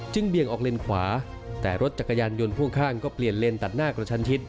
เบี่ยงออกเลนขวาแต่รถจักรยานยนต์พ่วงข้างก็เปลี่ยนเลนตัดหน้ากระชันชิด